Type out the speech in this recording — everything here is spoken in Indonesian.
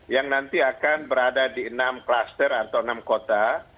yang nanti akan berada di enam klaster atau enam kota